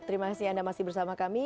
terima kasih anda masih bersama kami